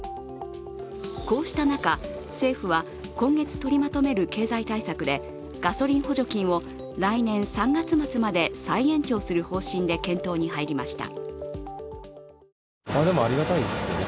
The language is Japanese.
こうした中、政府は今月取りまとめる経済対策でガソリン補助金を来年３月末まで再延長する方針で検討に入りました。